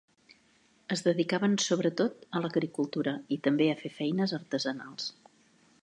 Es dedicaven, sobretot, a l'agricultura i també a fer feines artesanals.